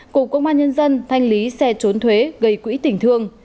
của công an nhân dân thanh lý xe trôn thuế gây quỹ tỉnh thương